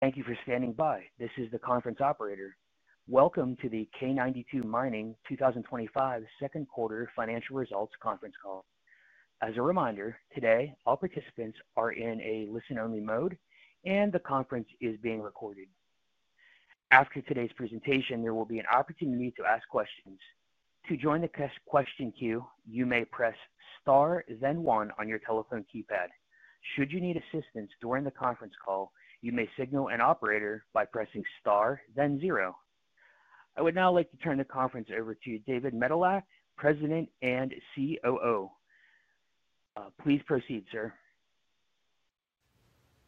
Thank you for standing by. This is the conference operator. Welcome to the K92 Mining Inc. 2025 Second Quarter Financial Results conference call. As a reminder, today all participants are in a listen-only mode and the conference is being recorded. After today's presentation, there will be an opportunity to ask questions. To join the question queue, you may press star then one on your telephone keypad. Should you need assistance during the conference call, you may signal an operator by pressing star then zero. I would now like to turn the conference over to David Medilek, President and Chief Operating Officer. Please proceed, sir.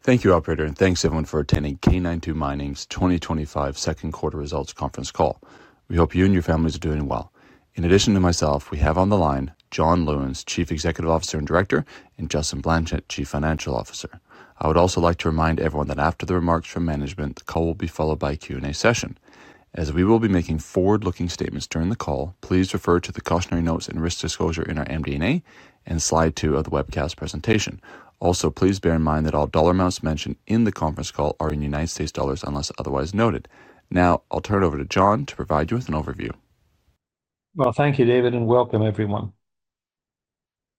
Thank you, Operator, and thanks everyone for attending K92 Mining's 2025 second quarter results conference call. We hope you and your families are doing well. In addition to myself, we have on the line John Lewins, Chief Executive Officer and Director, and Justin Blanchet, Chief Financial Officer. I would also like to remind everyone that after the remarks from management, the call will be followed by a Q&A session. As we will be making forward-looking statements during the call, please refer to the cautionary notes and risk disclosure in our MD&A and slide 2 of the webcast presentation. Also, please bear in mind that all dollar amounts mentioned in the conference call are in United States Dollars unless otherwise noted. Now I'll turn it over to John to provide you with an overview. Thank you David and welcome everyone.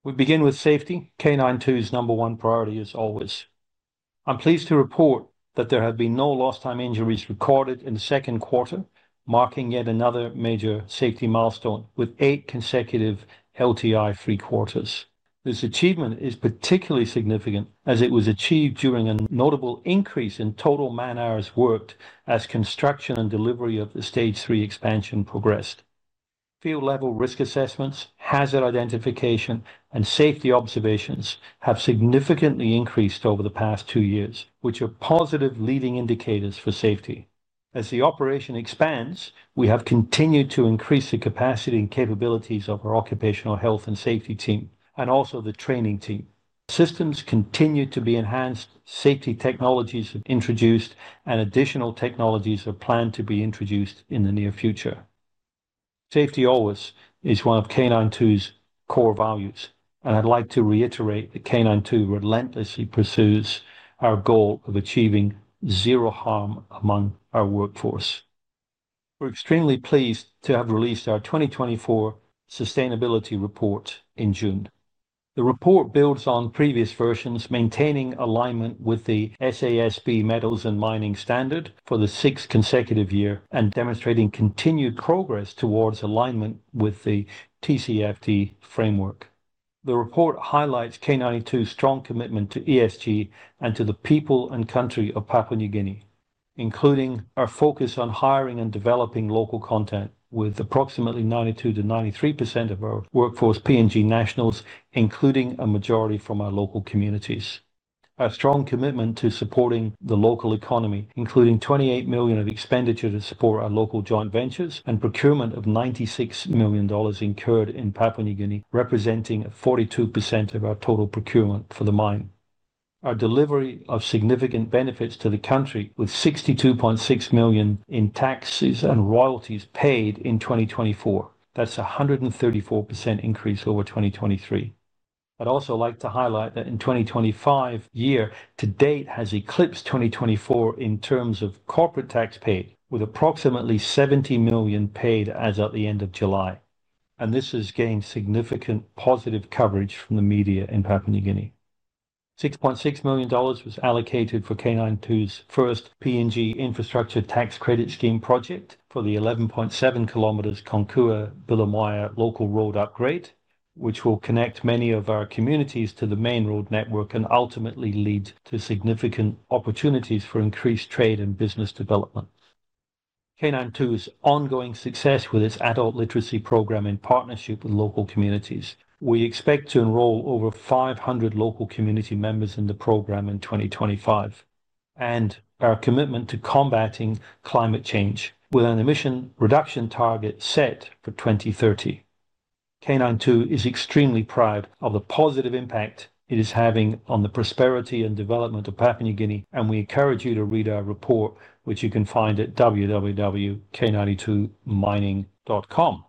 We begin with safety, K92's number one priority. As always, I'm pleased to report that there have been no lost time injuries recorded in the second quarter, marking yet another major safety milestone with eight consecutive LTI-free quarters. This achievement is particularly significant as it was achieved during a notable increase in total man hours worked as construction and delivery of the Stage 3 expansion progressed. Field level risk assessments, hazard identification, and safety observations have significantly increased over the past two years, which are positive leading indicators for safety. As the operation expands, we have continued to increase the capacity and capabilities of our Occupational Health and Safety team and also the training team. Systems continue to be enhanced, safety technologies have been introduced, and additional technologies are planned to be introduced in the near future. Safety always is one of K92's core values and I'd like to reiterate that K92 relentlessly pursues our goal of achieving zero harm among our workforce. We're extremely pleased to have released our 2024 sustainability report in June. The report builds on previous versions, maintaining alignment with the SASB Metals and Mining Standard for the sixth consecutive year and demonstrating continued progress towards alignment with the TCFD Framework. The report highlights K92's strong commitment to ESG and to the people and country of Papua New Guinea, including our focus on hiring and developing local content with approximately 92%-93% of our workforce PNG nationals, including a majority from our local communities. Our strong commitment to supporting the local economy including $28 million of expenditure to support our local joint ventures and procurement of $96 million incurred in Papua New Guinea representing 42% of our total procurement for the mine. Our delivery of significant benefits to the country with $62.6 million in taxes and royalties paid in 2024, that's a 134% increase over 2023. I'd also like to highlight that in 2025 year to date has eclipsed 2024 in terms of corporate tax paid with approximately $70 million paid as at the end of July and this has gained significant positive coverage from the media in Papua New Guinea. $6.6 million was allocated for K92's first Papua New Guinea Infrastructure Tax Credit Scheme project for the 11.7 km Konkua-Bilimoia local road upgrade, which will connect many of our communities to the main road network and ultimately lead to significant opportunities for increased trade and business development. K92's ongoing success with its adult literacy program is in partnership with local communities. We expect to enroll over 500 local community members in the program in 2025 and our commitment to combating climate change with an emission reduction target set for 2030. K92 is extremely proud of the positive impact it is having on the prosperity and development of Papua New Guinea and we encourage you to read our report which you can find at www.k92mining.com.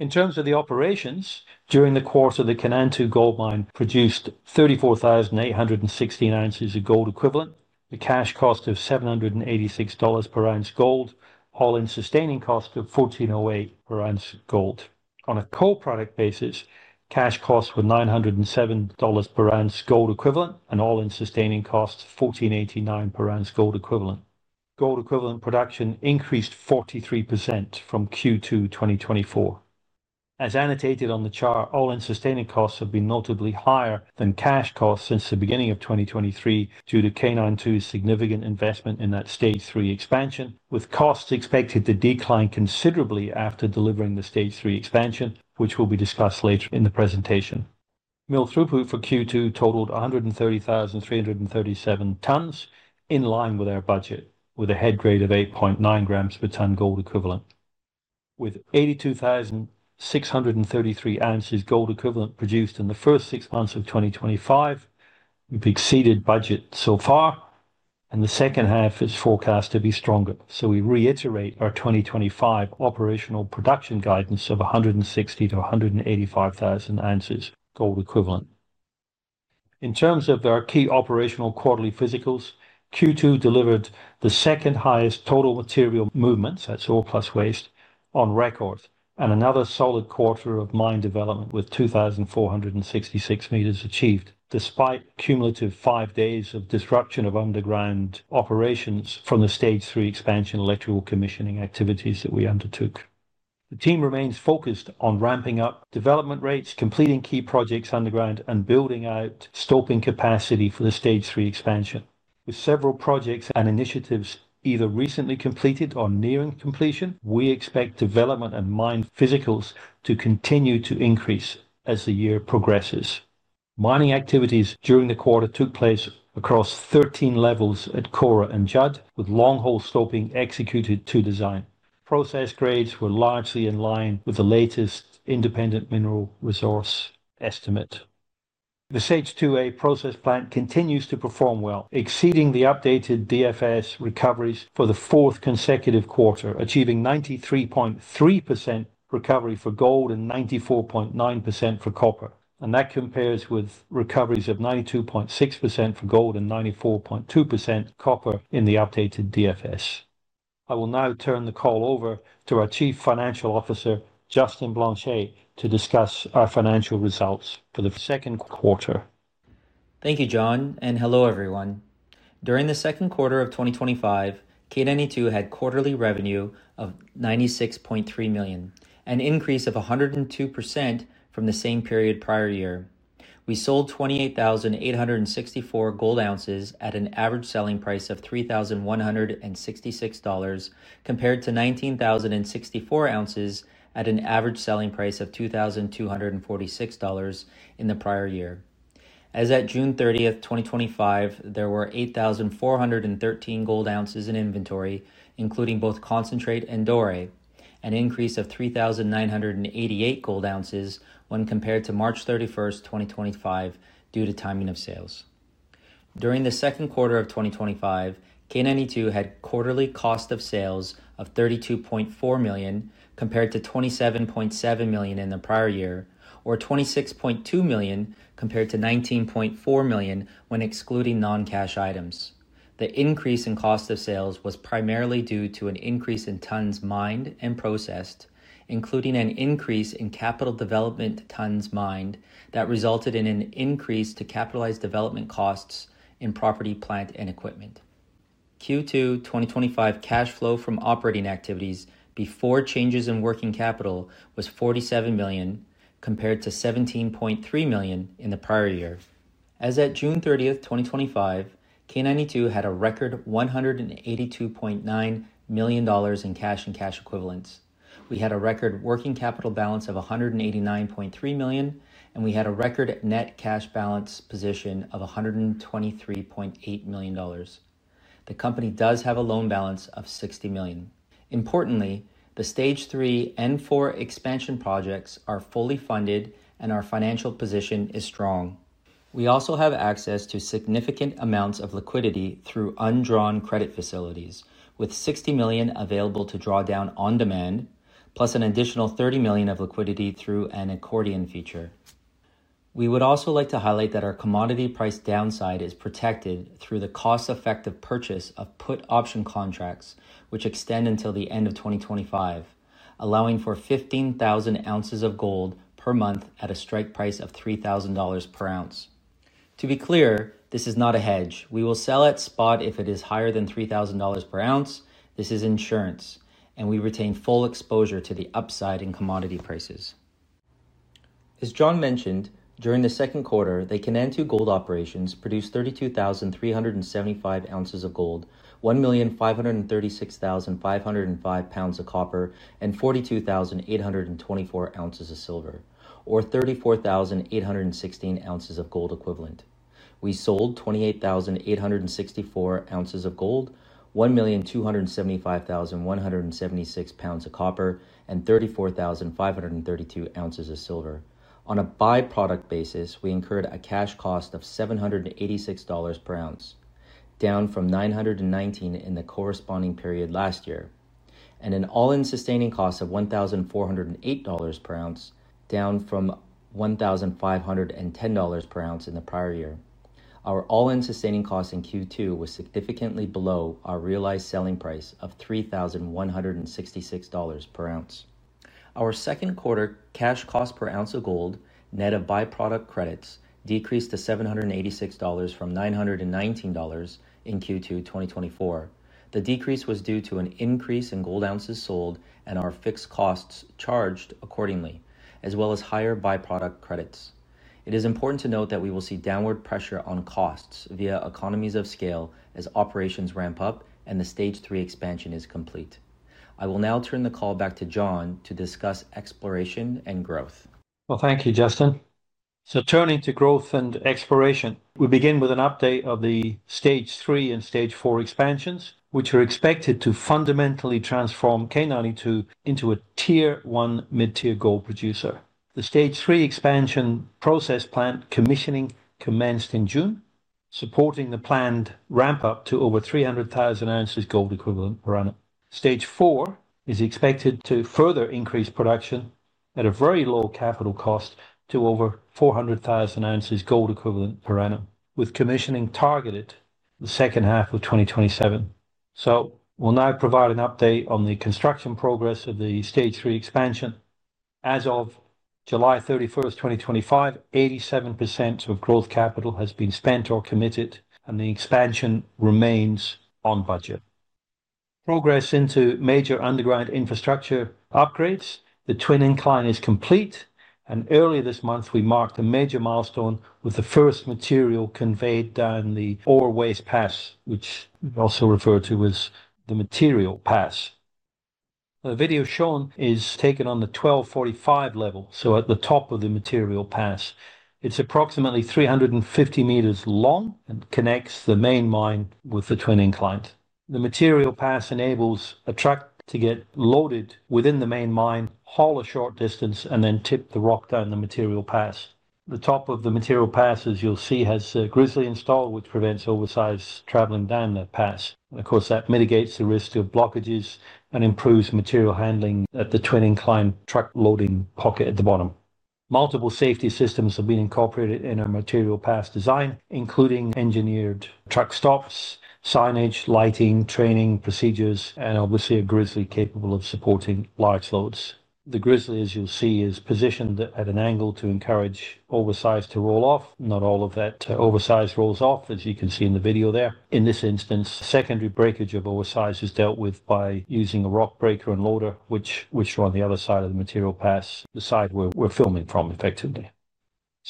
In terms of the operations during the quarter, the Kainantu Gold Mine produced 34,816 ounces of Gold Equivalent. The cash cost was $786 per ounce gold or All-In Sustaining Cost of $1,408 per ounce gold. On a co-product basis, cash costs were $907 per ounce Gold Equivalent and All-In Sustaining Cost $1,489 per ounceGold Equivalent. Gold Equivalent production increased 43% from Q2 2024. As annotated on the chart, All-In Sustaining Cost have been notably higher than cash costs since the beginning of 2023 due to K92's significant investment in that Stage 3 Expansion, with costs expected to decline considerably after delivering the Stage 3 Expansion, which will be discussed later in the presentation. Mill throughput for Q2 totaled 130,337 tons in line with our budget, with a head grade of 8.9 grams per ton Gold Equivalent. With 82,633 ounces Gold Equivalent produced in the first six months of 2025, we've exceeded budget so far and the second half is forecast to be stronger. We reiterate our 2025 operational production guidance of 160,000-185,000 ounces Gold Equivalent. In terms of our key operational quarterly physicals, Q2 delivered the second highest total material movements, that's ore plus waste, on record and another solid quarter of mine development with 2,466 meters achieved. Despite cumulative five days of disruption of underground operations from the Stage 3 Expansion electrical commissioning activities that we undertook, the team remains focused on ramping up development rates, completing key projects underground, and building out stoping capacity for the Stage 3 Expansion. With several projects and initiatives either recently completed or nearing completion, we expect development and mine physicals to continue to increase as the year progresses. Mining activities during the quarter took place across 13 levels at Kora and Judd, with long hole stoping executed to design. Process grades were largely in line with the latest independent mineral resource estimate. The Stage 2A process plant continues to perform well, exceeding the updated DFS recoveries for the fourth consecutive quarter, achieving 93.3% recovery for gold and 94.9% for copper, and that compares with recoveries of 92.6% for gold and 94.2% for copper in the updated DFS. I will now turn the call over to our Chief Financial Officer, Justin Blanchet, to discuss our financial results for the second quarter. Thank you John and hello everyone. During the second quarter of 2025, K92 had quarterly revenue of $96.3 million, an increase of 102% from the same period. Prior year we sold 28,864 gold ounces at an average selling price of $3,166 compared to 19,064 ounces at an average selling price of $2,246 in the prior year. As at June 30th, 2025, there were 8,413 gold ounces in inventory including both concentrate and dore, an increase of 3,988 gold ounces when compared to March 31st, 2025 due to timing of sales. During the second quarter of 2025, K92 had quarterly cost of sales of $32.4 million compared to $27.7 million in the prior year or $26.2 million compared to $19.4 million when excluding non-cash items. The increase in cost of sales was primarily due to an increase in tons mined and processed, increase in capital development tons mined that resulted in an increase to capitalized development costs in property, plant and equipment. Q2 2025 cash flow from operating activities before changes in working capital was $47 million compared to $17.3 million in the prior year. As at June 30th, 2025, K92 had a record $182.9 million in cash and cash equivalents. We had a record working capital balance of $189.3 million and we had a record net cash balance position of $123.8 million. The company does have a loan balance of $60 million. Importantly, the Stage 3 and Stage 4 Expansion projects are fully funded and our financial position is strong. We also have access to significant amounts of liquidity through undrawn credit facilities with $60 million available to draw down on demand plus an additional $30 million of liquidity through an accordion feature. We would also like to highlight that our commodity price downside is protected through the cost-effective purchase of put option contracts which extend until the end of 2025, allowing for 15,000 ounces of gold per month at a strike price of $3,000 per ounce. To be clear, this is not a hedge. We will sell at spot if it is higher than $3,000 per ounce. This is insurance and we retain full exposure to the upside in commodity prices. As John mentioned, during the second quarter the Kainantu Gold Mine operations produced 32,375 ounces of gold, 1,536,505 pounds of copper and 42,824 ounces of silver or 34,816 ounces of Gold Equivalent. We sold 28,864 ounces of gold, 1,275,176 pounds of copper and 34,532 ounces of silver. On a byproduct basis we incurred a cash cost of $786 per ounce, down from $919 in the corresponding period last year, and an All-In Sustaining Cost of $1,408 per ounce, down from $1,510 per ounce in the prior year. Our All-In Sustaining Cost in Q2 was significantly below our realized selling price of $3,166 per ounce. Our second quarter cash cost per ounce of gold net of byproduct credits decreased to $786 from $919 in Q2 2024. The decrease was due to an increase in gold ounces sold and our fixed costs charged accordingly, as well as higher byproduct credits. It is important to note that we will see downward pressure on costs via economies of scale as operations ramp up and the Stage 3 Expansion is complete. I will now turn the call back to John to discuss exploration and growth. Thank you, Justin. Turning to growth and exploration, we begin with an update of the Stage 3 and Stage 4 Expansions which are expected to fundamentally transform K92 into a Tier 1 mid tier gold producer. The Stage 3 Expansion process plant commissioning commenced in June, supporting the planned ramp up to over 300,000 ounces Gold Equivalent per annum. Stage 4 is expected to further increase production at a very low capital cost to over 400,000 ounces Gold Equivalent per annum, with commissioning targeted for the second half of 2027. We will now provide an update on the construction progress of the Stage 3 Expansion. As of July 31st, 2025, 87% of growth capital has been spent or committed and the expansion remains on budget. Progress into major underground infrastructure upgrades, the Twin Incline is complete and earlier this month we marked a major milestone with the first material conveyed down the four ways pass, which we also refer to as the Material Pass. The video shown is taken on the 1245 level, so at the top of the Material Pass. It's approximately 350 meters long and connects the main mine with the Twin Incline. The Material Pass enables a truck to get loaded within the main mine, haul a short distance and then tip the rock down the Material Pass. The top of the Material Pass, as you'll see, has a grizzly installed which prevents oversized traveling down that pass and of course that mitigates the risk of blockages and improves material handling at the Twin Incline truck loading pocket at the bottom. Multiple safety systems have been incorporated in our Material Pass design including engineered truck stops, signage, lighting, training procedures and obviously a grizzly capable of supporting large loads. The grizzly, as you'll see, is positioned at an angle to encourage oversize to roll off. Not all of that oversize rolls off as you can see in the video there. In this instance, secondary breakage of oversize is dealt with by using a rock breaker and loader which are on the other side of the Material Pass, the side where we're filming from.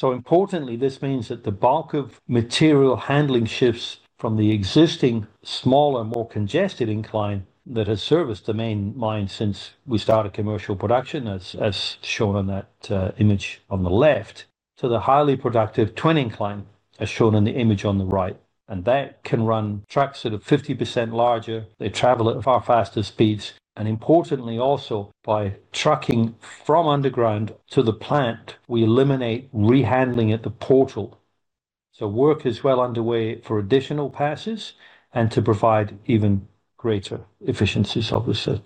Importantly, this means that the bulk of material handling shifts from the existing smaller, more congested incline that has serviced the main mine since we started commercial production as shown on that image on the left to the highly productive Twin Incline as shown in the image on the right, and that can run trucks that are 50% larger. They travel at far faster speeds, and importantly, also by trucking from underground to the plant, we eliminate rehandling at the portal. Work is well underway for additional passes and to provide even greater efficiencies. Obviously,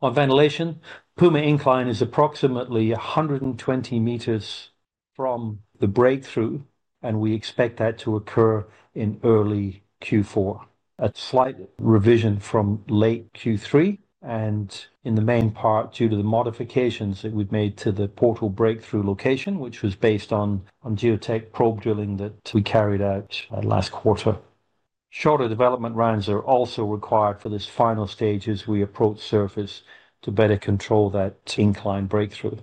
on ventilation, Puma Incline is approximately 120 meters from the breakthrough, and we expect that to occur in early Q4, a slight revision from late Q3, and in the main part due to the modifications that we'd made to the portal breakthrough location, which was based on geotech probe drilling that we carried out last quarter. Shorter development rounds are also required for this final stage as we approach surface to better control that incline breakthrough.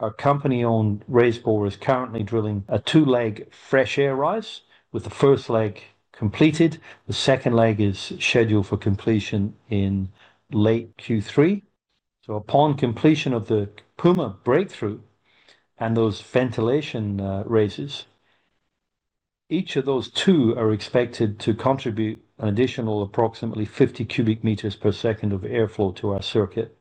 Our company-owned raised bore is currently drilling a two-leg fresh air rise, with the first leg completed. The second leg is scheduled for completion in late Q3. Upon completion of the Puma breakthrough and those ventilation raises, each of those two are expected to contribute an additional approximately 50 cubic meters per second of airflow to our circuit,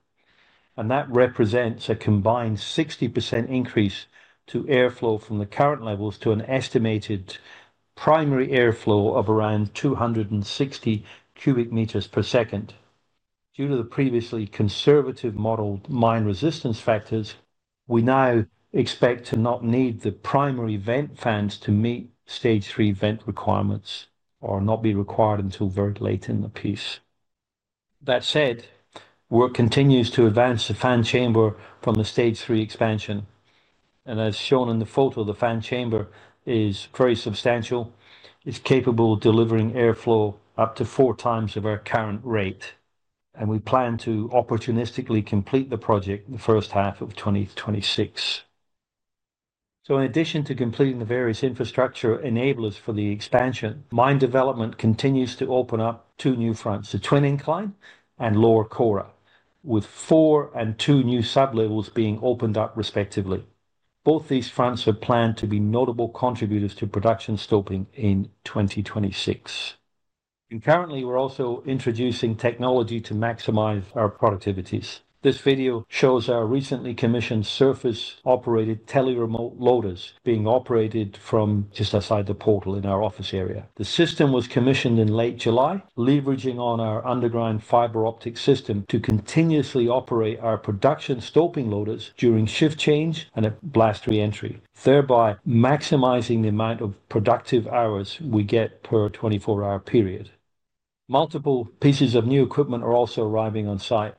and that represents a combined 60% increase to airflow from the current levels to an estimated primary airflow of around 260 cubic meters per second. Due to the previously conservative modeled mine resistance factors, we now expect to not need the primary vent fans to meet Stage 3 vent requirements or not be required until very late in the piece. That said, work continues to advance the fan chamber from the Stage 3 Expansion, and as shown in the photo, the fan chamber is very substantial. It's capable of delivering airflow up to four times our current rate, and we plan to opportunistically complete the project in the first half of 2026. In addition to completing the various infrastructure enablers for the expansion, mine development continues to open up two new fronts, the Twin Incline and lower Kora, with four and two new sublevels being opened up respectively. Both these fronts are planned to be notable contributors to production stoping in 2026, and currently we're also introducing technology to maximize our productivities. This video shows our recently commissioned surface-operated tele-remote loaders being operated from just outside the portal in our office area. The system was commissioned in late July, leveraging on our underground fiber optic system to continuously operate our production stope coping loaders during shift change and at blast reentry, thereby maximizing the amount of productive hours we get per 24-hour period. Multiple pieces of new equipment are also arriving on site.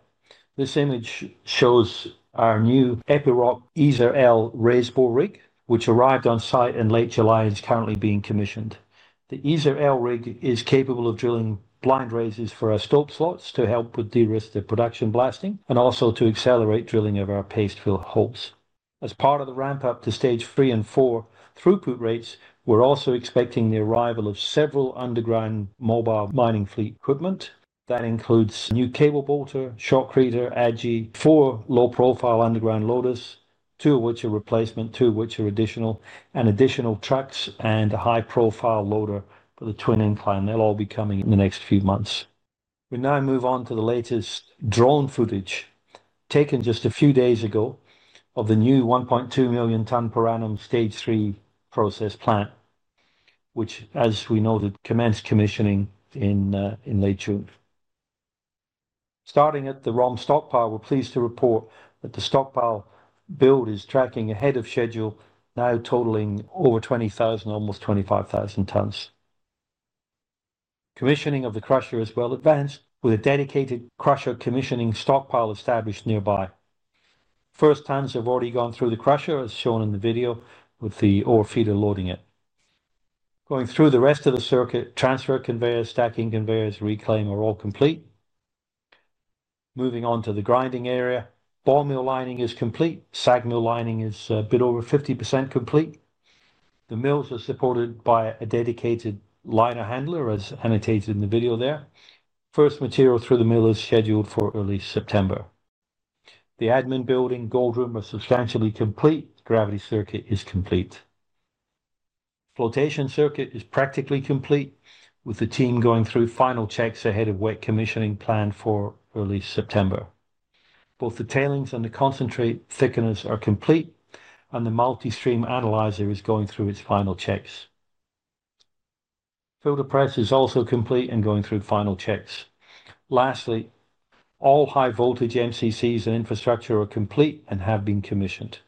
This image shows our new Epiroc Easer L raise bore rig, which arrived on site in late July and is currently being commissioned. The Easer L rig is capable of drilling blind raises for our stope slots to help de-risk the production blasting and also to accelerate drilling of our paste-filled holes. As part of the ramp up to Stage 3 and Stage 4 throughput rates, we're also expecting the arrival of several underground mobile mining fleet equipment. That includes new cable bolter, shotcreter, AGI, four low profile underground loaders, two of which are replacement, two of which are additional, and additional trucks and a high profile loader for the Twin Incline. They'll all be coming in the next few months. We now move on to the latest drone footage taken just a few days ago of the new 1.2 million ton per annum Stage 3 process plant, which, as we noted, commenced commissioning in late June. Starting at the ROM stockpile, we're pleased to report that the stockpile build is tracking ahead of schedule, now totaling over 20,000, almost 25,000 tons. Commissioning of the crusher is well advanced with a dedicated crusher commissioning stockpile established nearby. First tons have already gone through the crusher as shown in the video, with the ore feeder loading it, going through the rest of the circuit. Transfer conveyor, stacking conveyors, and reclaim are all complete. Moving on to the grinding area, ball mill lining is complete. SAG mill lining is a bit over 50% complete. The mills are supported by a dedicated liner handler, as annotated in the video there. First material through the mill is scheduled for early September. The admin building and gold room are substantially complete. Gravity circuit is complete. Flotation circuit is practically complete, with the team going through final checks ahead of wet commissioning planned for early September. Both the tailings and the concentrate thickeners are complete, and the multi-stream analyzer is going through its final checks. Filter press is also complete and going through final checks. Lastly, all high voltage MCCs and infrastructure are complete and have been commissioned.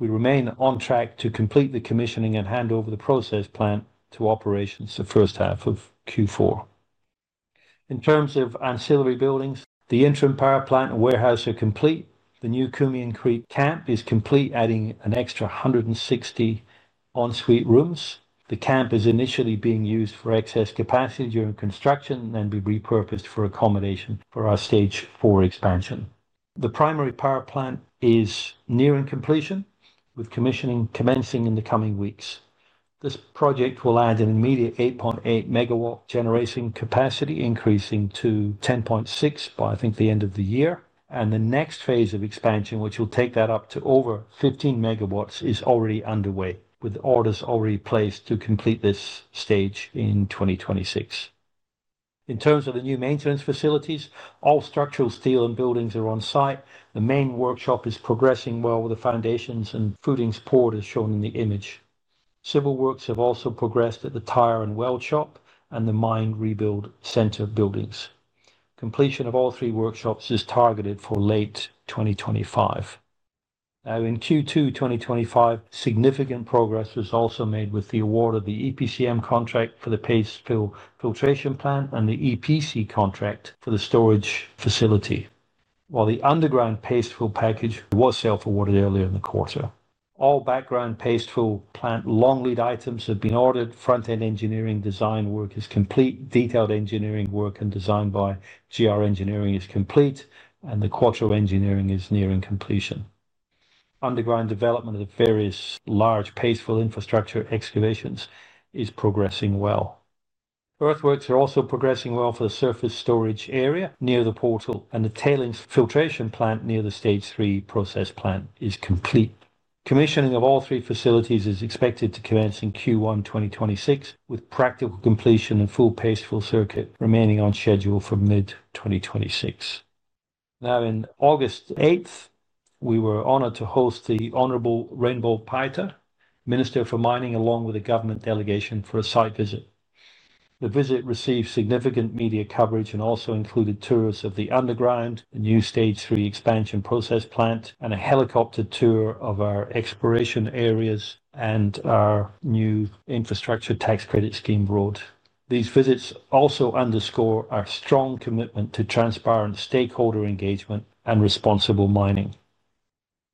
We remain on track to complete the commissioning and hand over the process plant to operations. The first half of Q4 in terms of ancillary buildings, the interim power plant and warehouse are complete. The new Kumin Creek Camp is complete, adding an extra 160 ensuite rooms. The camp is initially being used for excess capacity during construction and will be repurposed for accommodation for our Stage 4 Expansion. The primary power plant is nearing completion with commissioning commencing in the coming weeks. This project will add an immediate 8.8 megawatt generation, capacity increasing to 10.6 by I think the end of the year and the next phase of expansion which will take that up to over 15 MW is already underway with orders already placed to complete this stage in 2026. In terms of the new maintenance facilities, all structural steel and buildings are on site. The main workshop is progressing well with the foundations and footings poured as shown in the image. Civil works have also progressed at the tire and weld shop and the mine rebuild center buildings. Completion of all three workshops is targeted for late 2025. Now in Q2 2025 significant progress was also made with the award of the EPCM Contract for the paste fill filtration plant and the EPC Contract for the storage facility. While the underground paste fill package was self-awarded earlier in the quarter, all background Paste Fill Plant long lead items have been ordered. Front end engineering design work is complete. Detailed engineering work and design by GR Engineering Services is complete and Quattro Engineering is nearing completion. Underground development of the various large paste fill infrastructure excavations is progressing well. Earthworks are also progressing well for the surface storage area near the portal and the tailings filtration plant near the Stage 3 process plant is complete. Commissioning of all three facilities is expected to commence in Q1 2026 with practical completion and full pace. Full circuit remaining on schedule for mid 2026. Now on August 8th we were honored to host the Honorable Rainbo Paita, Minister for Mining, along with the government delegation for a site visit. The visit received significant media coverage and also included tours of the underground new Stage 3 Expansion process plant and a helicopter tour of our exploration areas and our new infrastructure tax credit scheme road. These visits also underscore our strong commitment to transparent stakeholder engagement and responsible mining.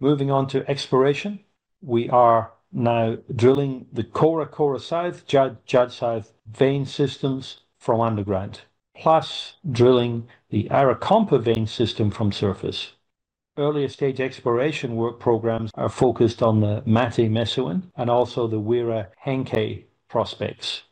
Moving on to exploration, we are now drilling the Kora, Kora South, and Judd South vein systems from underground plus drilling the Arakompa Vein System from surface. Earlier stage exploration work programs are focused on the Mati, Mesoan, and also the Wira Henke prospects.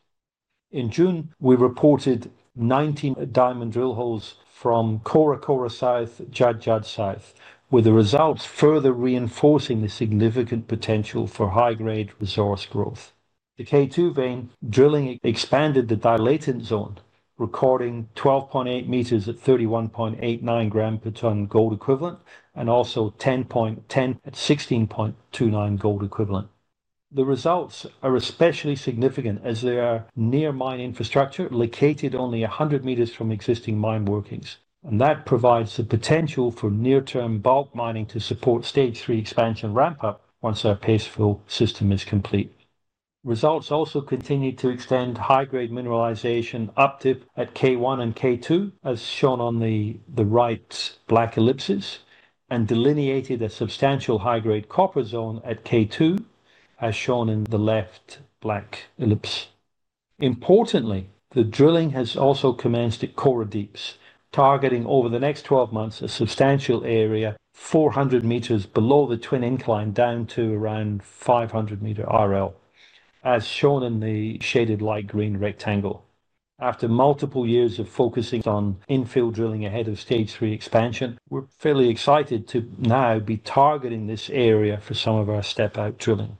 In June we reported 19 diamond drill holes from Kora, Kora South, and Judd South with the results further reinforcing the significant potential for high grade resource growth. The K2 Vein drilling expanded the dilatant zone, recording 12.8 meters at 31.89 grams per ton Gold Equivalent and also 10.10 meters at 16.29 grams per ton Gold Equivalent. The results are especially significant as they are near mine infrastructure, located only 100 meters from existing mine workings, and that provides the potential for near term bulk mining to support Stage 3 Expansion ramp up once our paste fill system is complete. Results also continued to extend high grade mineralization up dip at K1 and K2 as shown on the right black ellipses and delineated a substantial high grade copper zone at K2 as shown in the left black ellipse. Importantly, the drilling has also commenced at Kora Deeps, targeting over the next 12 months a substantial area 400 meters below the Twin Incline down to around 500 meter RL as shown in the shaded light green rectangle. After multiple years of focusing on infill drilling ahead of Stage 3 Expansion, we're fairly excited to now be targeting this area for some of our step out drilling.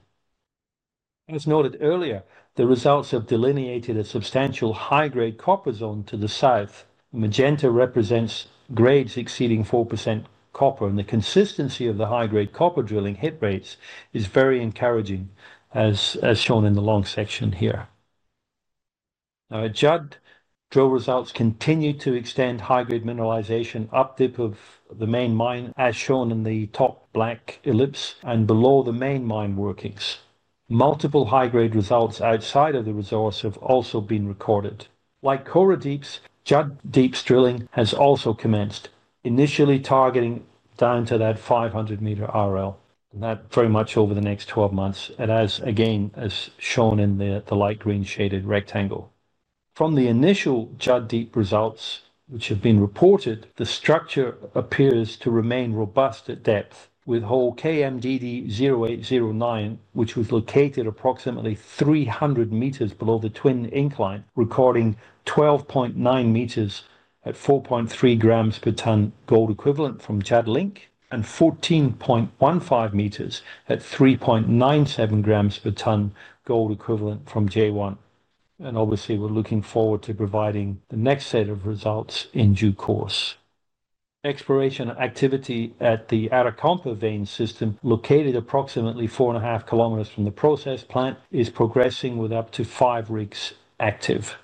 As noted earlier, the results have delineated a substantial high grade copper zone to the south. Magenta represents grades exceeding 4% copper and the consistency of the high grade copper drilling hit rates is very encouraging as shown in the long section here. Judd drill results continue to extend high grade mineralization up dip of the main mine as shown in the top black ellipse and below the main mine workings. Multiple high grade results outside of the resource have also been recorded. Like Kora Deeps, Judd Deeps drilling has also commenced, initially targeting down to that 500 meter RL, that very much over the next 12 months, and as again as shown in the light green shaded rectangle from the initial Judd deep results which have been reported, the structure appears to remain robust at depth with hole KMDD0809, which was located approximately 300 meters below the Twin Incline, recording 12.9 meters at 4.3 grams per ton Gold Equivalent from Judd Link and 14.15 meters at 3.97 grams per ton Gold Equivalent from J1. Obviously, we're looking forward to providing the next set of results in due course. Exploration activity at the Arakompa Vein System, located approximately 4.5 km from the process plant, is progressing with up to five rigs active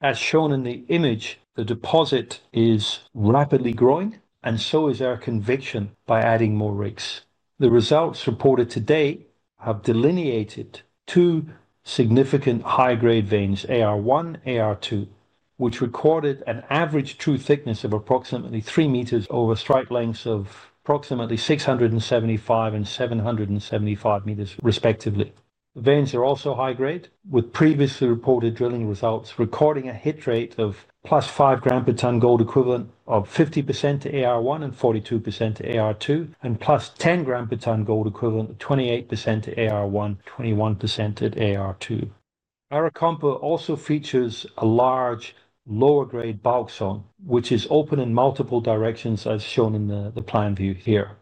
as shown in the image. The deposit is rapidly growing and so is our conviction by adding more rigs. The results reported today have delineated two significant high grade veins, AR1 and AR2, which recorded an average true thickness of approximately 3 meters over strike lengths of approximately 675 meters and 775 meters, respectively. Veins are also high grade, with previously reported drilling results recording a hit rate of +5 grams per ton Gold Equivalent of 50% to AR1 and 42% to AR2, and +10 grams per ton Gold Equivalent of 28% to AR1 and 21% at AR2. Arakompa also features a large lower grade bulk zone which is open in multiple directions as shown in the plan view here.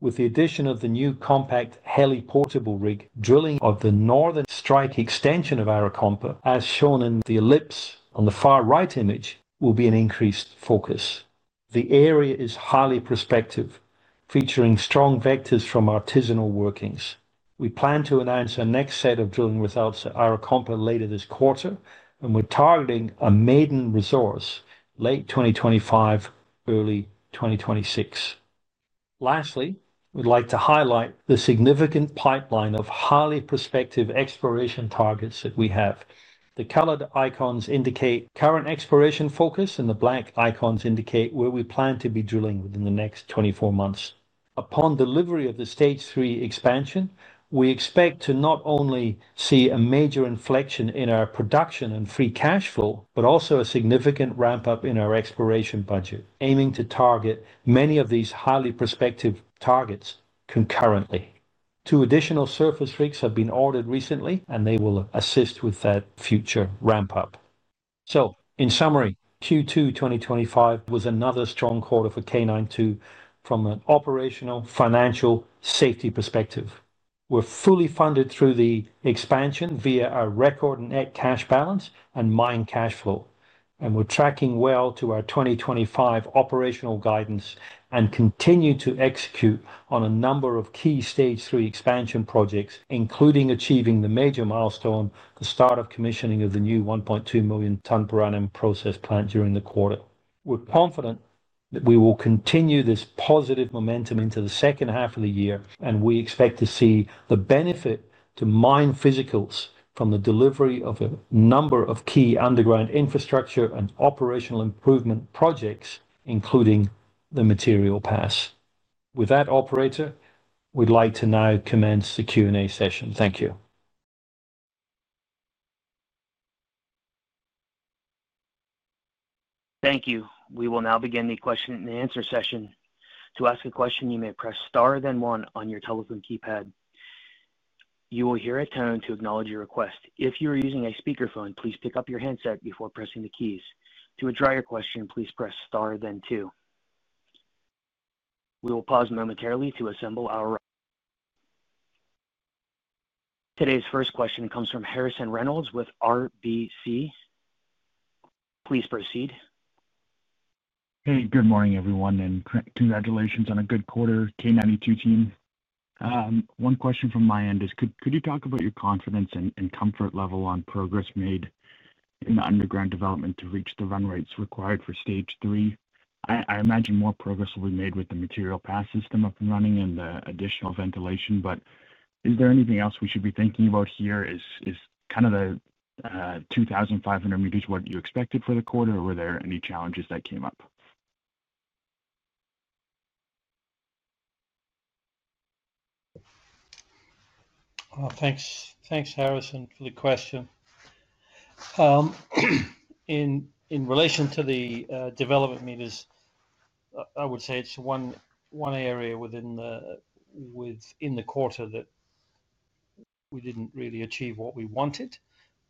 With the addition of the new compact heli portable rig, drilling of the northern strike extension of Arakompa, as shown in the ellipse on the far right image, will be an increased focus. The area is highly prospective, featuring strong vectors from artisanal workings. We plan to announce our next set of drilling results at Arakompa later this quarter, and we're targeting a maiden resource late 2025, early 2026. Lastly, we'd like to highlight the significant pipeline of highly prospective exploration targets that we have. The colored icons indicate current exploration focus, and the black icons indicate where we plan to be drilling within the next 24 months. Upon delivery of the Stage 3 Expansion, we expect to not only see a major inflection in our production and free cash flow, but also a significant ramp up in our exploration budget aiming to target many of these highly prospective targets. Concurrently, two additional surface rigs have been ordered recently, and they will assist with that future ramp up. In summary, Q2 2025 was another strong quarter for K92 from an operational, financial, and safety perspective. We're fully funded through the expansion via a record net cash balance and mine cash flow, and we're tracking well to our 2025 operational guidance and continue to execute on a number of key Stage 3 Expansion projects, including achieving the major milestone, the start of commissioning of the new 1.2 million ton per annum process plant during the quarter. We're confident we will continue this positive momentum into the second half of the year, and we expect to see the benefit to mine physicals from the delivery of a number of key underground infrastructure and operational improvement projects, including the Material Pass. With that, operator, we'd like to now commence the Q&A session. Thank you. Thank you. We will now begin the question-and-answer session. To ask a question, you may press star, then one on your telephone keypad, you will hear a tone to acknowledge your request. If you are using a speakerphone, please pick up your handset before pressing the keys to ask your question. Please press star, then two. We will pause momentarily to assemble our queue. Today's first question comes from Harrison Reynolds with RBC. Please proceed. Hey, good morning everyone and congratulations on a good quarter, K92 team. One question from my end is could you talk about your confidence and comfort level on progress made in the underground development to reach the run rates required for Stage 3? I imagine more progress will be made with the Material Pass system up and running and the additional ventilation, but is there anything else we should be thinking about here? Is kind of the 2,500 meters what you expected for the quarter, or were there any challenges that came up? Thanks, Harrison. For the question in relation to the development meters, I would say it's one area within the quarter that we didn't really achieve what we wanted.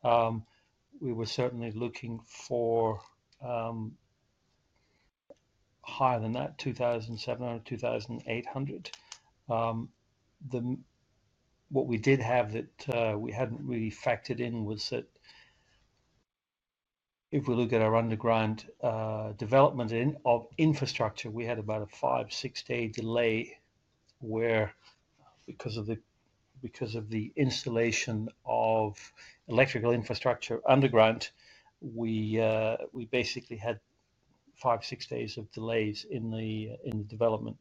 We were certainly looking for higher than that. 2,720, 2,800. What we did have that we hadn't really factored in was that if we look at our underground development of infrastructure, we had about a 5-6 day delay because of the installation of electrical infrastructure underground. We basically had 5-6 days of delays in development.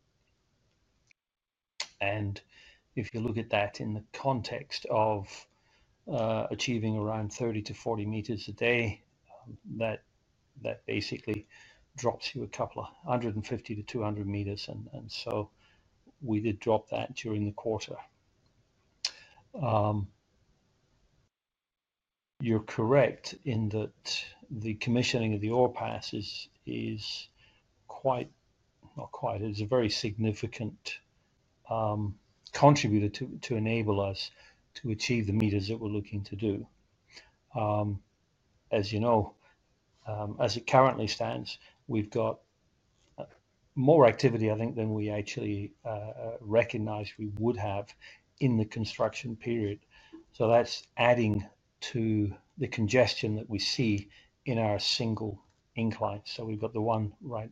If you look at that in the context of achieving around 30-40 meters a day, that basically drops you a couple of 150-200 meters. We did drop that during the quarter. You're correct in that the commissioning of the ore pass is quite, not quite, it's a very significant contributor to enable us to achieve the meters that we're looking to do. As you know, as it currently stands, we've got more activity, I think, than we actually recognized we would have in the construction period. That's adding to the congestion that we see in our single incline. We've got the one right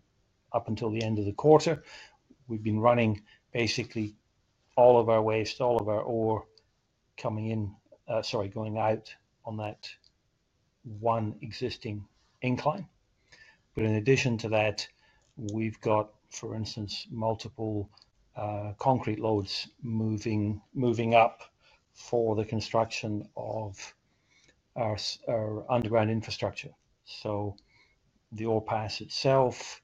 up until the end of the quarter. We've been running basically all of our waste, all of our ore going out on that one existing incline. In addition to that, we've got, for instance, multiple concrete loads moving up for the construction of our underground infrastructure. The ore pass itself,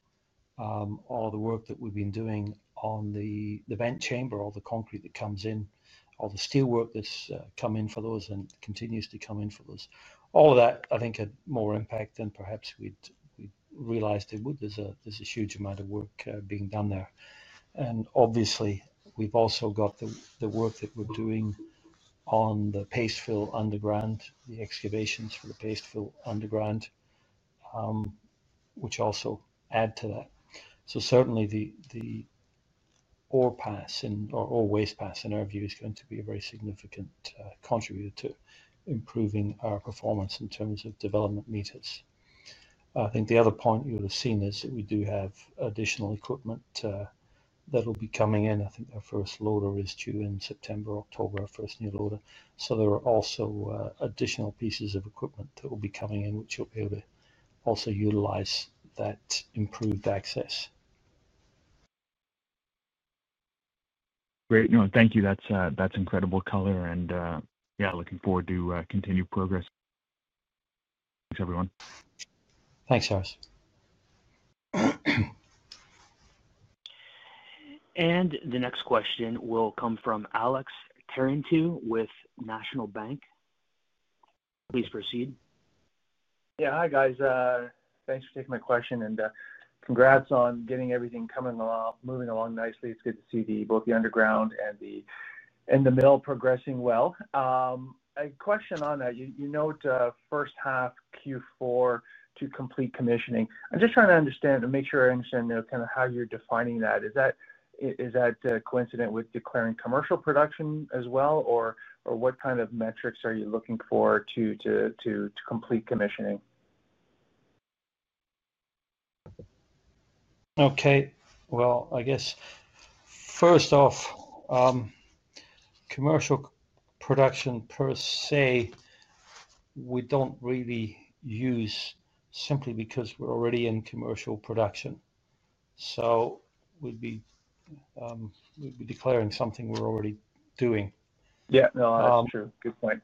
all the work that we've been doing on the vent chamber, all the concrete that comes in, all the steel work that's come in for those and continues to come in for those, all of that I think had more impact than perhaps we realized. There's a huge amount of work being done there and obviously we've also got the work that we're doing on the paste fill underground, the excavations for the paste fill underground, which also add to that. Certainly the ore pass, ore waste pass in our view is going to be a very significant contributor to improving our performance in terms of development meters. I think the other point you'll have seen is that we do have additional equipment that will be coming in. I think our first loader is due in September, October 1st, new loader. There are also additional pieces of equipment that will be coming in which you'll be able to also utilize that improved access. Great, thank you. That's incredible color, and yeah, looking forward to continued progress. Thanks everyone. Thanks, Harris. The next question will come from Alex Terentiew with National Bank. Please proceed. Yeah, hi guys. Thanks for taking my question and congrats on getting everything coming along. Moving along nicely. It's good to see both the underground and the in the middle progressing. A question on that. You note, first half Q4 to complete commissioning. I'm just trying to understand and make sure I understand kind of how you're defining that. Is that coincident with declaring commercial production as well, or what kind of metrics are you looking for to complete commissioning? Okay, I guess first off, commercial production per se we don't really use simply because we're already in commercial production. We'd be declaring something we're already doing. Yeah, true, good point.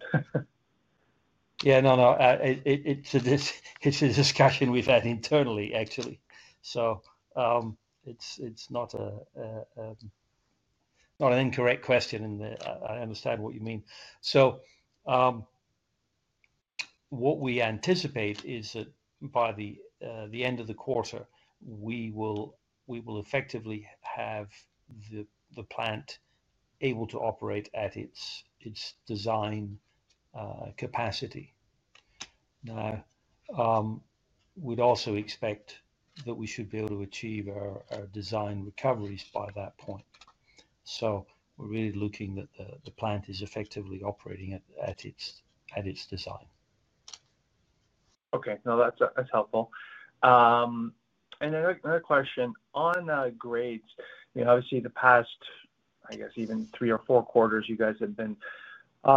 Yeah, no, it's a discussion we've had internally actually, so it's not an incorrect question and I understand what you mean. What we anticipate is that by the end of the quarter we will effectively have the plant able to operate at its design capacity. We'd also expect that we should be able to achieve our design recoveries by that point. We're really looking at the plant as effectively operating at its design. Okay, no, that's helpful. Another question on grades, you know, obviously the past, I guess even three or four quarters, you guys have been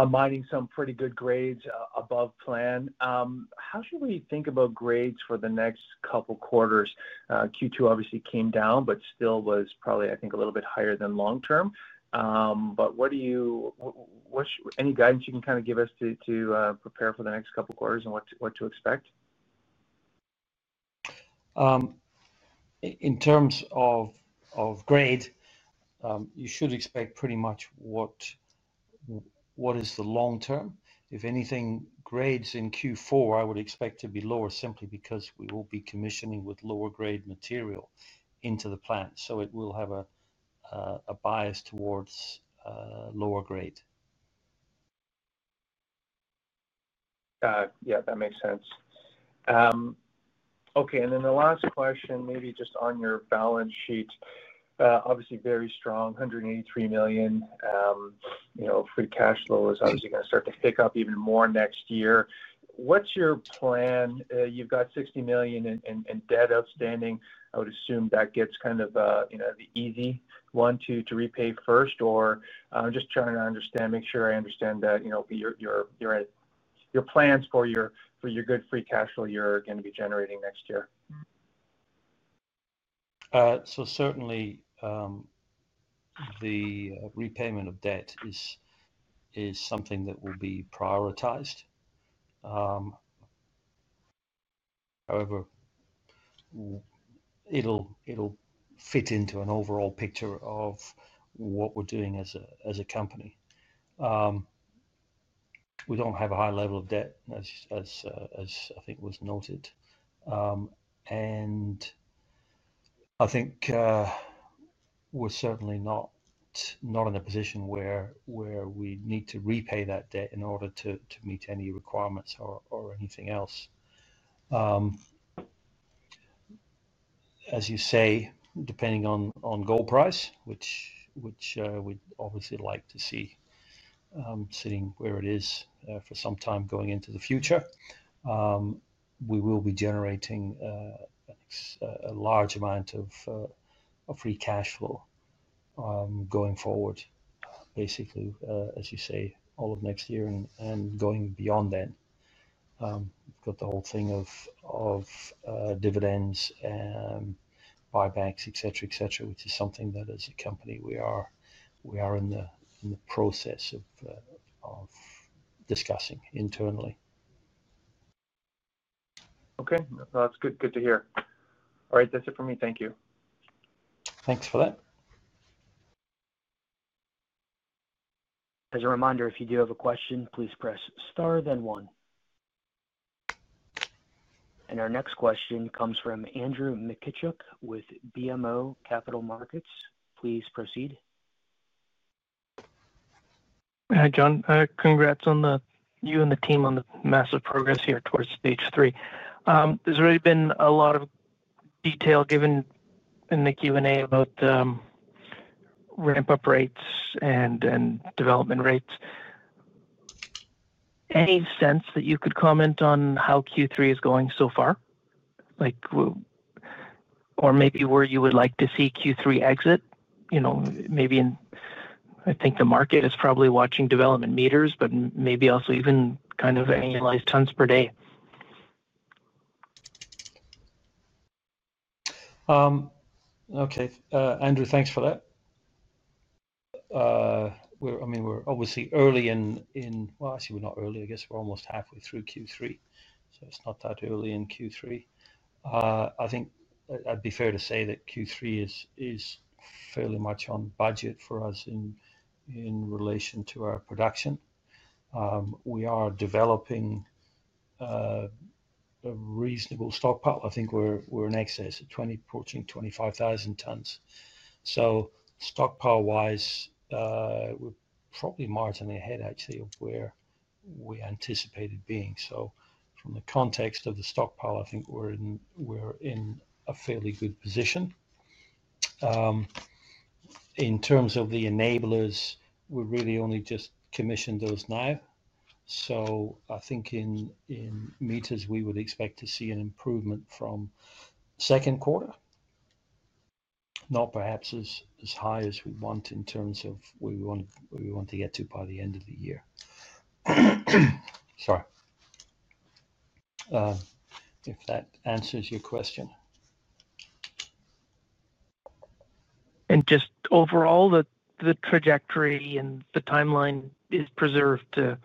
mining some pretty good grades above plan. How should we think about grades for the next couple quarters? Q2 obviously came down, but still was probably, I think, a little bit higher than long term. What guidance can you kind of give us to prepare for the next couple quarters and what to expect? In terms of grade, you should expect pretty much what is the long term. If anything, grades in Q4 I would expect to be lower simply because we will be commissioning with lower grade material into the plant. It will have a bias towards lower grade. Yeah, that makes sense. Okay, and then the last question, maybe just on your balance sheet, obviously very strong. $183 million free cash flow is obviously going to start to pick up even more next year. What's your plan? You've got $60 million in debt outstanding. I would assume that gets kind of the easy one to repay first. Just trying to understand, make sure I understand your plans for your good free cash flow you're going to be generating next year. Certainly, the repayment of debt is something that will be prioritized. However, it'll fit into an overall picture of what we're doing as a company. We don't have a high level of debt, as I think was noted. I think we're certainly not in a position where we need to repay that debt in order to meet any requirements or anything else. As you say, depending on gold price, which we'd obviously like to see sitting where it is for some time going into the future, we will be generating a large amount of free cash flow going forward, basically, as you say, all of next year and going beyond. Then you've got the whole thing of dividends and buybacks, etc., which is something that as a company we are in the process of discussing internally. Okay, that's good. Good to hear. All right, that's it for me. Thank you. Thanks for that. As a reminder, if you do have a question, please press star then one. Our next question comes from Andrew Mikitchook with BMO Capital Markets. Please proceed. Hi John, congrats to you and the team on the massive progress here towards Stage 3. There's already been a lot of detail given in the Q&A about ramp-up rates and development rates. Any sense that you could comment on how Q3 is going so far, like, or maybe where you would like to see Q3 exit? You know, maybe in. I think the market is probably watching development meters, but maybe also even kind of annualized tons per day. Okay, Andrew, thanks for that. I mean we're obviously early in, in. Actually, we're not early. I guess we're almost halfway through Q3, so it's not that early in Q3. I think I'd be fair to say that Q3 is fairly much on budget for us in relation to our production. We are developing a reasonable stockpile. I think we're in excess of 20, approaching 25,000 tons. Stockpile wise we're probably marginally ahead actually of where we anticipated being. From the context of the stockpile, I think we're in a fairly good position. In terms of the enablers, we really only just commissioned those now, so I think in meters we would expect to see an improvement from second quarter, not perhaps as high as we want in terms of where we want to get to by the end of the year. Sorry if that answers your question. Overall, the trajectory and the timeline is preserved to,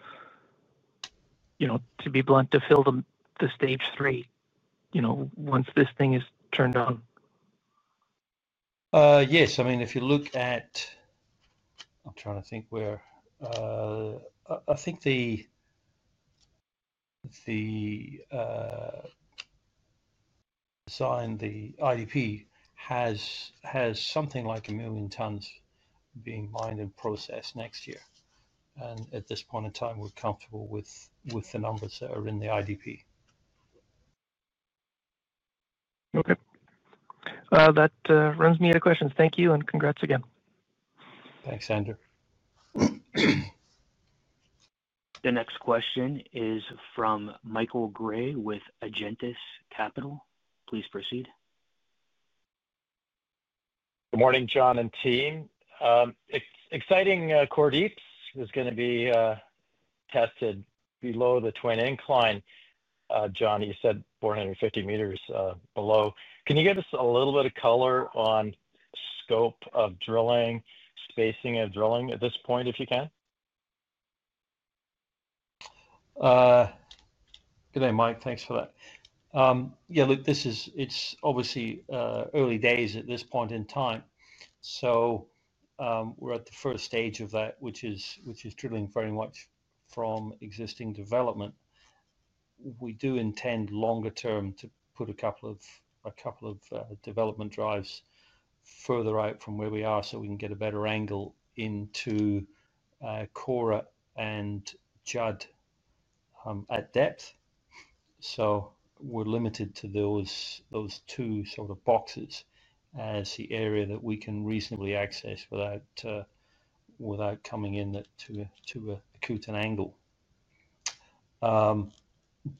you know, to be blunt, to fill them to Stage 3, you know, once this thing is turned on. Yes, I mean if you look at, I'm trying to think where. I think the design, the IDP has something like a million tons being mined and processed next year. At this point in time, we're comfortable with the numbers that are in the IDP. Okay, that runs me to questions. Thank you and congrats again. Thanks, Andrew. The next question is from Michael Gray with Agentis Capital. Please proceed. Good morning John and team. It's exciting. Kora Deep is going to be tested below the Twin Incline. John, you said 450 meters below. Can you get us a little bit of color on scope of drilling, spacing and drilling at this point, if you can. G'day, Mike. Thanks for that. Yeah, look, it's obviously early days at this point in time, so we're at the first stage of that, which is drilling very much from existing development. We do intend longer term to put a couple of development drives further out from where we are so we can get a better angle into Kora and Judd at depth. We're limited to those two sort of boxes as the area that we can reasonably access without coming in to a cut-in angle.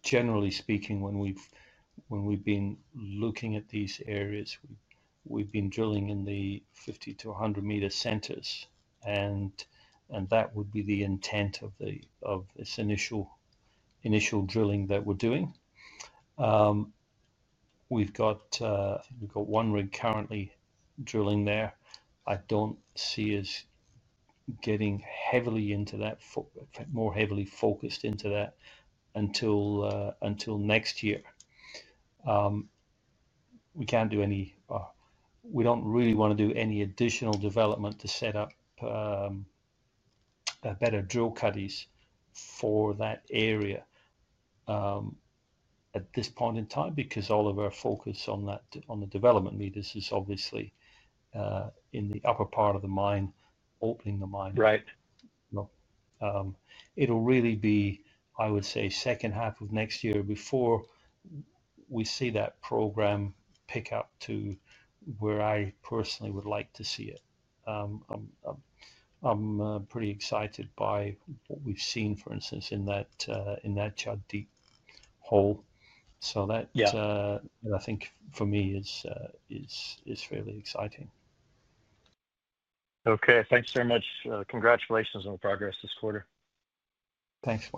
Generally speaking, when we've been looking at these areas, we've been drilling in the 50-100 meter centers and that would be the intent of this initial drilling that we're doing. We've got one rig currently drilling there. I don't see us getting heavily into that, more heavily focused into that until next year. We can't do any, we don't really want to do any additional development to set up better drill cuddies for that area at this point in time because all of our focus on the development meters is obviously in the upper part of the mine. Opening the mine. Right. It'll really be, I would say, second half of next year before we see that program pick up to where I personally would like to see it. I'm pretty excited by what we've seen, for instance, in that Kora deep hole. That, I think for me, is fairly exciting. Okay, thanks very much. Congratulations on progress this quarter. Thanks.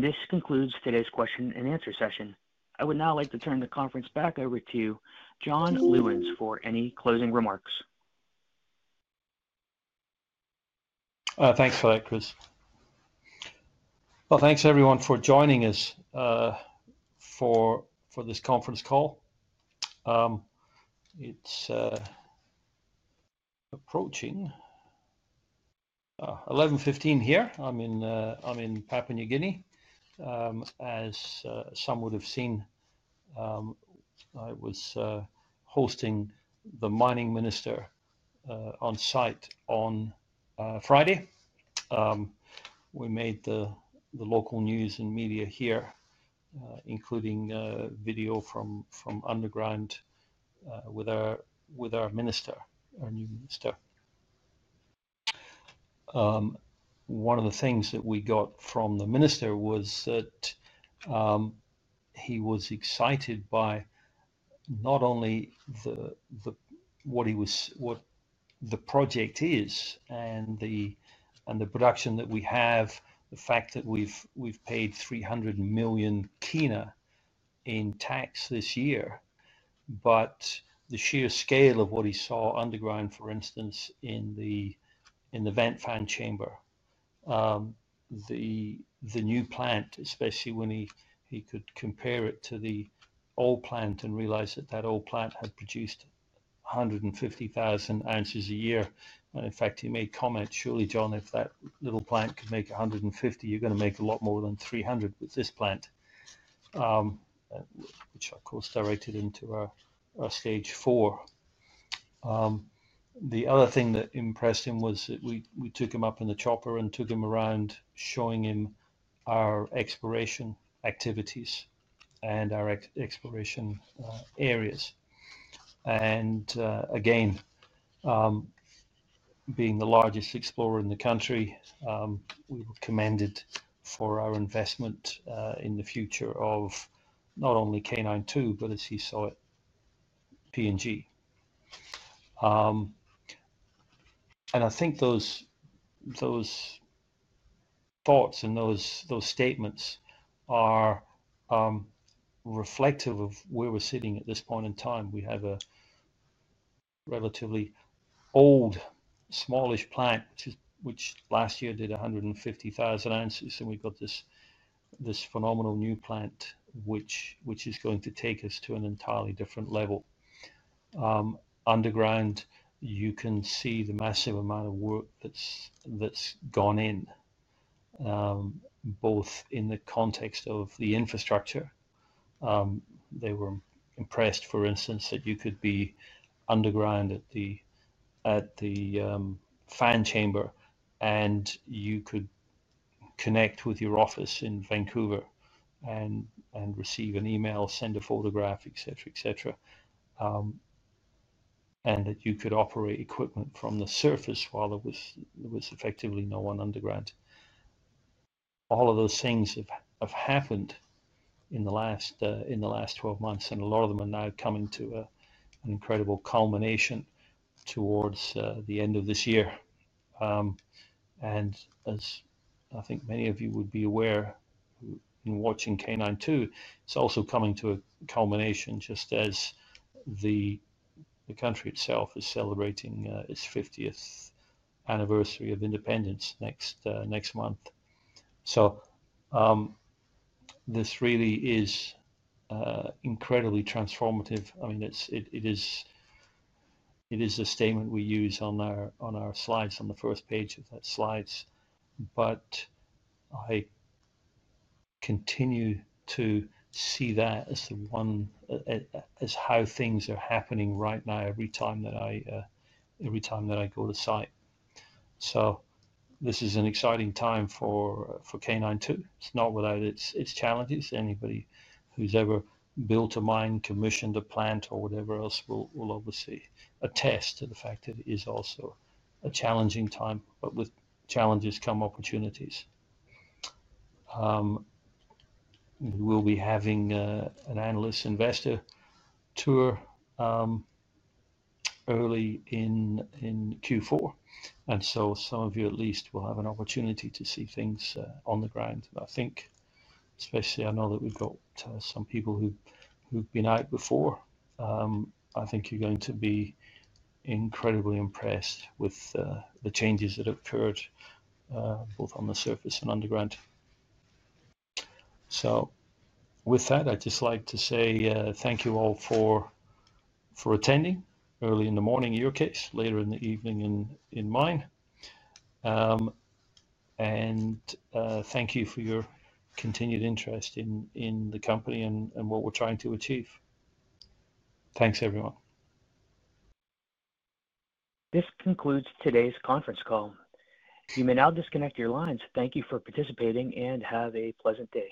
This concludes today's question-and-answer session. I would now like to turn the conference back over to John Lewins for any closing remarks. Thanks for that, Chris. Thanks everyone for joining us for this conference call. It's approaching 11:15 here. I'm in Papua New Guinea. As some would have seen, I was hosting the mining minister on site on Friday. We made the local news and media here, including video from underground with our minister, our new minister. One of the things that we got from the minister was that he was excited by not only what the project is and the production that we have, the fact that we've paid 300 million kina in tax this year, but the sheer scale of what he saw underground, for instance, in the vent fan chamber, the new plant, especially when he could compare it to the old plant and realize that the old plant had produced 150,000 ounces a year. In fact, he made comment, surely, John, if that little plant could make 150, you're going to make a lot more than 300 with this plant, which of course directed into Stage 4. The other thing that impressed him was that we took him up in the chopper and took him around, showing him our exploration activities and our exploration areas. Again, being the largest explorer in the country, we were commended for our investment in the future of not only K92, but as he saw it, Papua New Guinea. I think those thoughts and those statements are reflective of where we're sitting at this point in time. We have a relatively old, smallish plant which last year did 150,000 ounces, and we've got this phenomenal new plant which is going to take us to an entirely different level underground. You can see the massive amount of work that's gone in both in the context of the infrastructure. They were impressed, for instance, that you could be underground at the fan chamber and you could connect with your office in Vancouver and receive an email, send a photograph, etc., and that you could operate equipment from the surface while there was effectively no one underground. All of those things have happened in the last 12 months and a lot of them are now coming to an incredible culmination towards the end of this year. As I think many of you would be aware in watching K92, it's also coming to a culmination just as the country itself is celebrating its 50th anniversary of independence next month. This really is incredibly transformative. I mean, it is a statement we use on our slides, on the first page of that slides. I continue to see that as the one. As how things are happening right now every time that I go to site. This is an exciting time for K92. It's not without its challenges. Anybody who's ever built a mine, commissioned a plant, or whatever else will obviously attest to the fact that it is also a challenging time. With challenges come opportunities. We'll be having an analyst investor tour early in Q4, and some of you at least will have an opportunity to see things on the ground. I think especially I know that we've got some people who've been out before. I think you're going to be incredibly impressed with the changes that have occurred both on the surface and underground. With that, I'd just like to say thank you all for attending early in the morning in your case, later in the evening in mine, and thank you for your continued interest in the company and what we're trying to achieve. Thanks everyone. This concludes today's conference call. You may now disconnect your lines. Thank you for participating and have a pleasant day.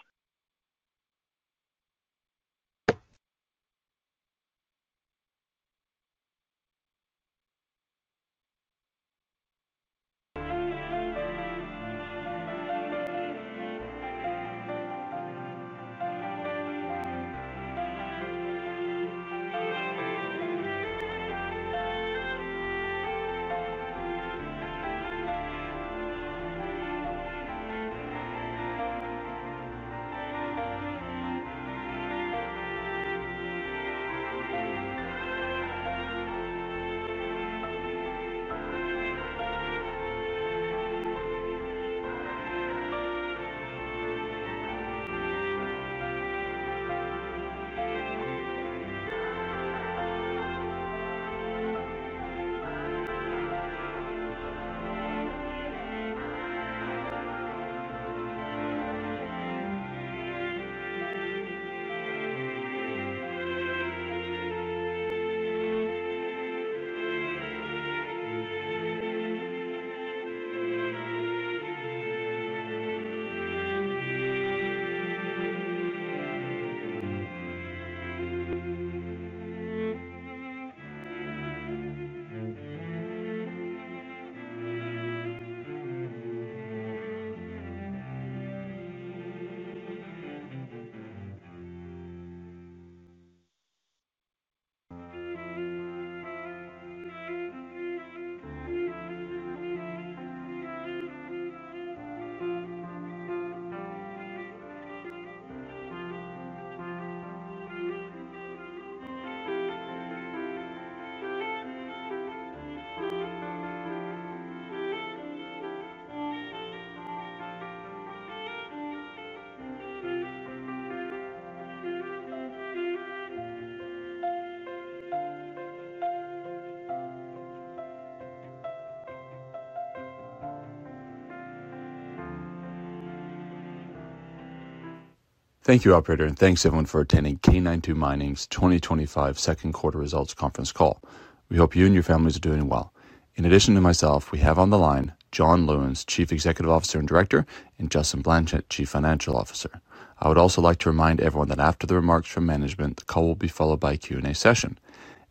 Sam. Thank you, operator, and thanks everyone for attending K92 Mining Inc.'s 2025 second quarter results conference call. We hope you and your families are doing well. In addition to myself, we have on the line John Lewins, Chief Executive Officer and Director, and Justin Blanchet, Chief Financial Officer. I would also like to remind everyone that after the remarks from management, the call will be followed by a Q&A session.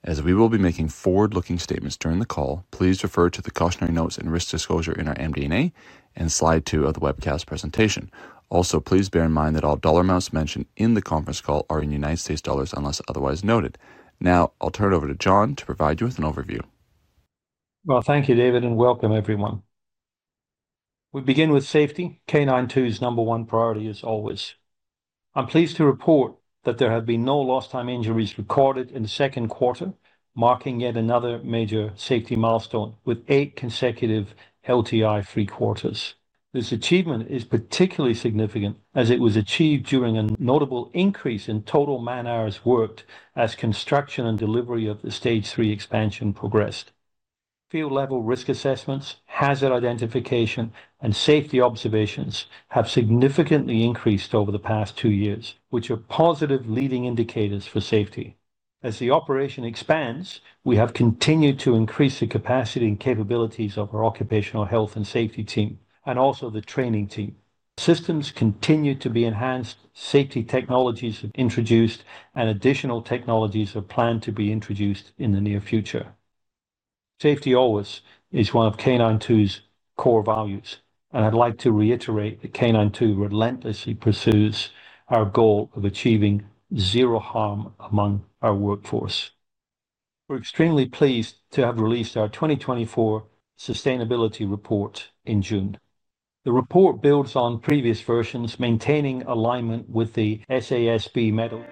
As we will be making forward-looking statements during the call, please refer to the cautionary notes and risk disclosure in our MD&A and slide two of the webcast presentation. Also, please bear in mind that all dollar amounts mentioned in the conference call are in United States dollars unless otherwise noted. Now I'll turn it over to John to provide you with an overview. Thank you David and welcome everyone. We begin with safety. K92's number one priority is always safety. I'm pleased to report that there have been no lost time injuries recorded in the second quarter, marking yet another major safety milestone with eight consecutive LTI-free quarters. This achievement is particularly significant as it was achieved during a notable increase in total man hours worked as construction and delivery of the Stage 3 Expansion progressed. Field level risk assessments, hazard identification, and safety observations have significantly increased over the past two years, which are positive leading indicators for safety. As the operation expands, we have continued to increase the capacity and capabilities of our Occupational Health and Safety team and also the training team. Systems continue to be enhanced, safety technologies have been introduced, and additional technologies are planned to be introduced in the near future. Safety always is one of K92's core values and I'd like to reiterate that K92 relentlessly pursues our goal of achieving zero harm among our workforce. We're extremely pleased to have released our 2024 sustainability report in June. The report builds on previous versions, maintaining alignment with the SASB metal.